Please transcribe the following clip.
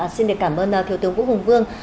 xin cảm ơn thiếu tướng vũ hùng vương